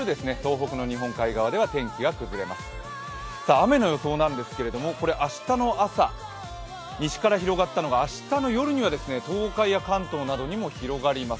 雨の予想なんですけど明日の朝西から広がったのが明日の夜には東海や関東にも広がります。